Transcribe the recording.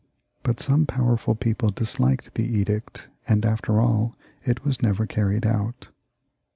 But some powerful people disliked the edict, and after aU, it was never carried out.